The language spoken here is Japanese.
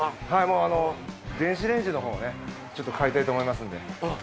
もう電子レンジのほうをねちょっと買いたいと思いますんでうん